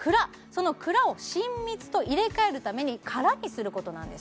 その蔵を新蜜と入れ替えるために空にすることなんです